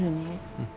うん。